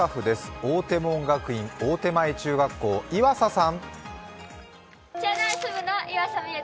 追手門学院大手前中学校、岩佐さん